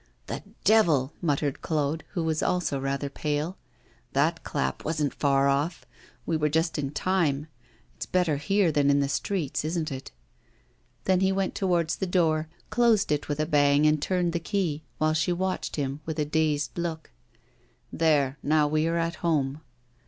'The devil!' muttered Claude, who also was rather pale. 'That clap wasn't far off. We were just in time. It's better here than in the streets, isn't it?' Then he went towards the door, closed it with a bang and turned the key, while she watched him with a dazed look. 'There, now, we are at home.